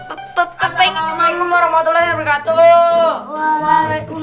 assalamualaikum warahmatullahi wabarakatuh